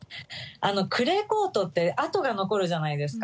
クレーコートって、跡が残るじゃないですか。